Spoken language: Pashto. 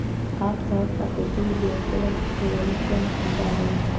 بل طرف ته کلتور د يو قام د ټولنيز ژوند هنداره وي